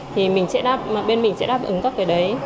thì bên mình sẽ đáp ứng các cái đấy